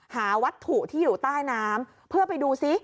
หาวัตถุที่อยู่ใต้น้ำเพื่อไปดูซิ